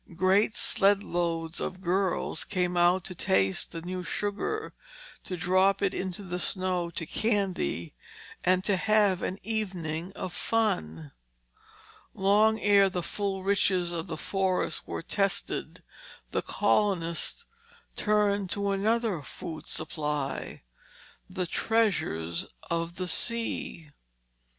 Great sled loads of girls came out to taste the new sugar, to drop it into the snow to candy, and to have an evening of fun. Long ere the full riches of the forests were tested the colonists turned to another food supply, the treasures of the sea.